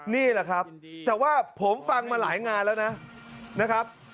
นี่แหละครับแต่ว่าผมฟังมาหลายงานแล้วนะครับ